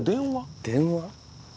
電話？